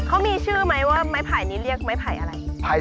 เขามีชื่อไหมว่าไม้ไผ่นี้เรียกไม้ไผ่อะไร